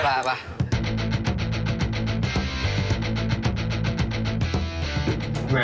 ไปดิไปไปไป